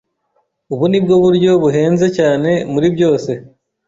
Ubu ni bwo buryo buhenze cyane muri byose.